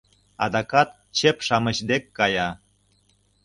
Адакат чеп-шамыч дек кая.